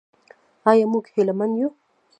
آیا موږ هیله مند یو؟